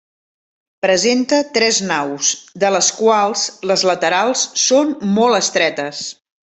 Presenta tres naus, de les quals, les laterals són molt estretes.